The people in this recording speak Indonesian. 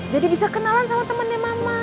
jadi bisa kenalan sama temennya mama